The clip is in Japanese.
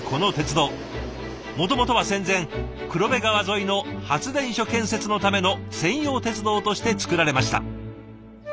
もともとは戦前黒部川沿いの発電所建設のための専用鉄道として造られました。